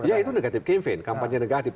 ya itu negatif campaign kampanye negatif